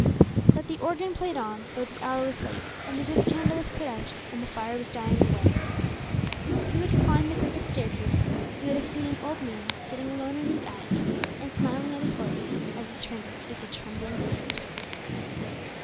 But the organ played on, though the hour was late, and the dip candle was put out, and the fire was dying away. If you had climbed the crooked staircase, you would have seen an old man sitting alone in his attic, and smiling at his organ as he turned it with a trembling hand.